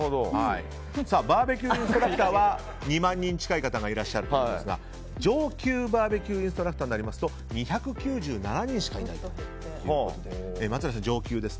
バーベキューインストラクターは２万人近い方がいらっしゃるということですが上級バーベキューインストラクターになりますと２９７人しかいないということで。